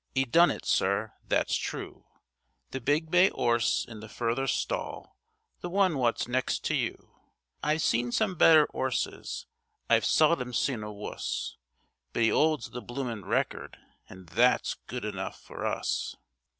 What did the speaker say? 'E done it, sir. That's true. The big bay 'orse in the further stall—the one wot's next to you. I've seen some better 'orses; I've seldom seen a wuss, But 'e 'olds the bloomin' record, an' that's good enough for us.